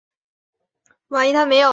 勒韦人口变化图示